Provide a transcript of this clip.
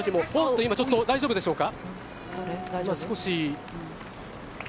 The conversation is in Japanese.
今、ちょっと大丈夫でしょうか。